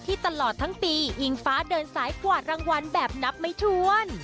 ตลอดทั้งปีอิงฟ้าเดินสายกวาดรางวัลแบบนับไม่ถ้วน